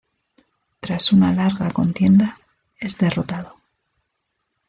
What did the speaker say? Tras una larga contienda, es derrotado.